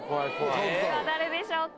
誰でしょうか？